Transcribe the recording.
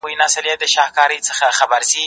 ته ولي ليکنه کوې!.